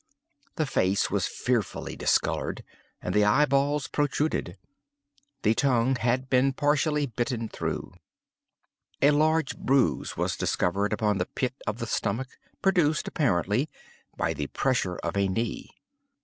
The face was fearfully discolored, and the eye balls protruded. The tongue had been partially bitten through. A large bruise was discovered upon the pit of the stomach, produced, apparently, by the pressure of a knee.